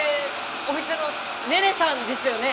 お店の寧々さんですよね？